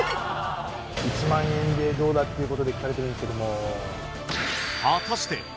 １万円でどうだっていうことで聞かれてるんですけども。